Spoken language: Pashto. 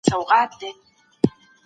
غولول د ضعیفانو کار دی.